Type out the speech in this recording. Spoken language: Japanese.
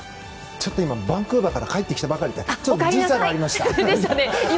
ちょっとバンクーバーから帰ってきたばかりで時差がありました。